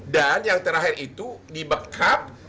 dan yang terakhir itu dibekap